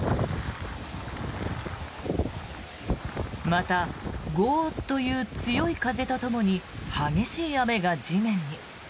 またゴーッという強い風とともに激しい雨が地面に。